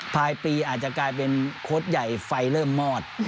ภายปีอาจจะกลายเป็นโค้ดใหญ่ไฟเริ่มมอด